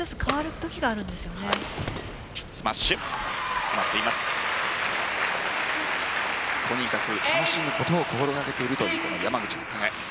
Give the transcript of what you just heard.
とにかく楽しむことを心がけているという山口茜。